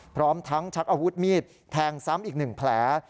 พร้อมทั้งชักอาวุธมีดแทงซ้ำอีก๑แผล